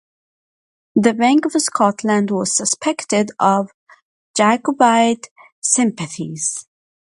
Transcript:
The Bank of Scotland was suspected of Jacobite sympathies.